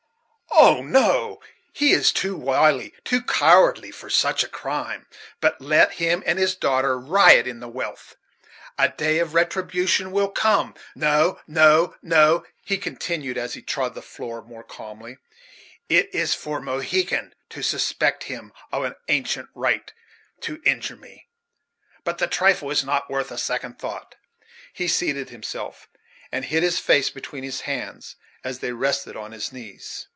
Oh, no! he is too wily, too cowardly, for such a crime. But let him and his daughter riot in their wealth a day of retribution will come. No, no, no," he continued, as he trod the floor more calmly "it is for Mohegan to suspect him of an intent to injure me; but the trifle is not worth a second thought." He seated himself, and hid his face between his hands, as they rested on his knees.